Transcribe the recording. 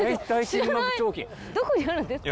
どこにあるんですか？